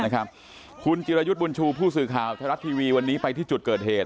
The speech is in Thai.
ครับคุณจิรโยนบุญชูผู้สื่อข่าวทะเลรัตน์ทีวีวันนี้ไปที่จุดเกิดเหตุ